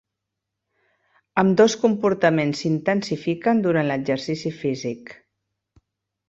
Ambdós comportaments s'intensifiquen durant l'exercici físic.